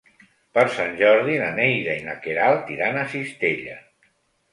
Per Sant Jordi na Neida i na Queralt iran a Cistella.